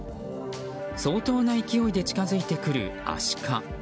相当な勢いで近づいてくるアシカ。